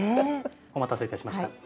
お待たせいたしました。